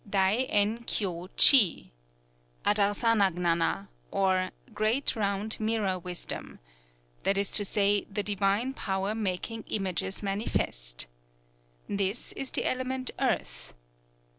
Dai en kyō chi (Âdarsana gñâna), or "Great round mirror wisdom," that is to say the divine power making images manifest. This is the element Earth.